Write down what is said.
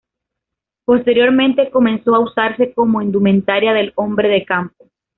Posteriormente comenzó a usarse como indumentaria del hombre de campo.